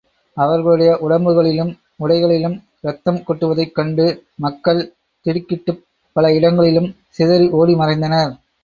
அவர்களுடைய உடம்புகளிலும் உடைகளிலும் ரத்தம் கொட்டுவதைக் கண்டு மக்கள் திடுக்கிட்டுப் பல இடங்களிலும் சிதறி ஓடி மறைந்தனர்.